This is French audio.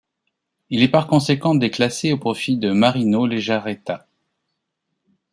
Il est par conséquent déclassé au profit de Marino Lejarreta.